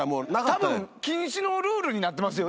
たぶん禁止のルールになってますよね。